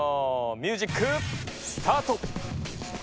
ミュージックスタート！